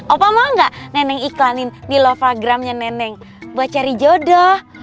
opa mau gak neneng iklanin di lovagramnya neneng buat cari jodoh